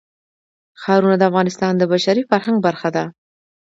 ښارونه د افغانستان د بشري فرهنګ برخه ده.